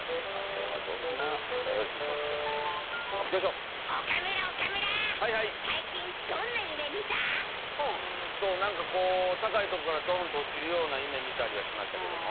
うんなんかこう高いとこからドーンと落ちるような夢見たりはしましたけども。